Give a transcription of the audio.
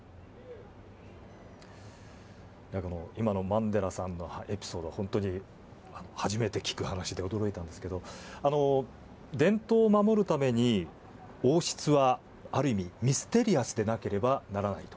今のマンデラさんのエピソードは本当に初めて聞く話で驚いたんですが伝統を守るために王室はある意味ミステリアスでなければならない。